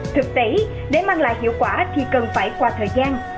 thực tế để mang lại hiệu quả thì cần phải qua thời gian